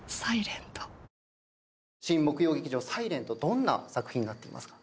新木曜劇場『ｓｉｌｅｎｔ』どんな作品になっていますか？